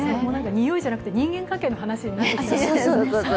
においじゃなくて人間関係の話になっちゃいましたね。